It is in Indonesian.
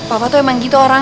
apa yang kamu mau